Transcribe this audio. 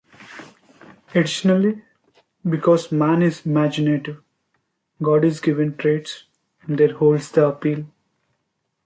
Additionally, because man is imaginative, God is given traits and there holds the appeal.